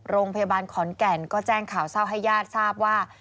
โรงพยาบาลขอนแก่นก็แจ้งข่าวเศร้าให้ญาติทราบว่า